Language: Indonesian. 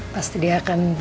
pasti dia akan